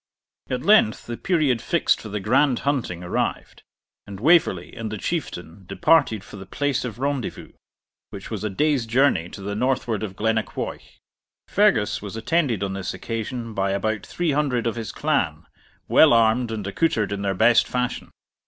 At length the period fixed for the grand hunting arrived, and Waverley and the Chieftain departed for the place of rendezvous, which was a day's journey to the northward of Glennaquoich. Fergus was attended on this occasion by about three hundred of his clan, well armed and accoutred in their best fashion.